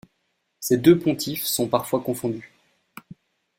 Ces deux pontifes sont parfois confondus.